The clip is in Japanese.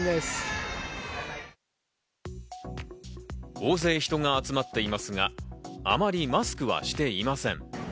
大勢人が集まっていますが、あまりマスクはしていません。